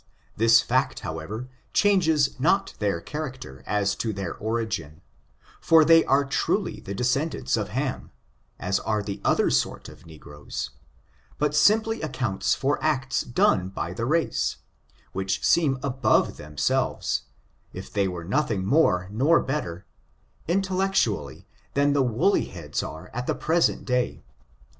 This fact, however, changes not their charac ter as to their origin, for tliey are truly the descend ants of Ham, as are the other sort of negroes, but simply accounts for acts done by the race, which seem above themselves, if they were nothing more nor bet ter, intellectually, than the woolly beads are at the present day.